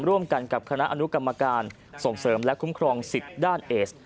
ร่วมกันกับคณะอนุกรรมการส่งเสริมและคุ้มครองสิทธิ์ด้านเอส